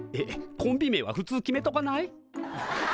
コンビ名はふつう決めとかない？